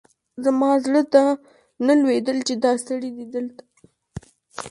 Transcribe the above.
زما زړه ته نه لوېدل چې دا سړی دې دلته وي.